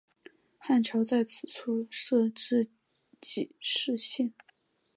汉朝在此处设置己氏县。